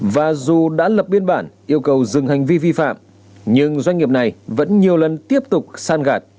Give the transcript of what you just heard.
và dù đã lập biên bản yêu cầu dừng hành vi vi phạm nhưng doanh nghiệp này vẫn nhiều lần tiếp tục san gạt